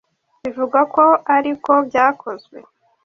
Bivugwa ko ariko byakozwe